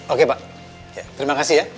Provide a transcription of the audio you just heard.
oke pak terima kasih ya